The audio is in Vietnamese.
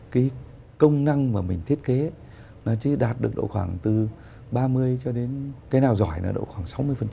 cái công năng mà mình thiết kế nó chỉ đạt được độ khoảng từ ba mươi cho đến cái nào giỏi là độ khoảng sáu mươi